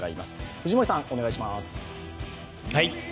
藤森さん、お願いします。